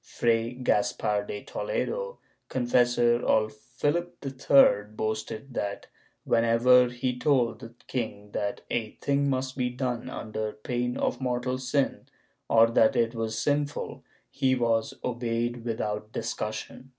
Fray Gaspar de Toledo, confessor of Philip III boasted that, when ever he told the king that a thing must be done under pain of mortal sin or that it was sinful, he was obeyed without discus sion.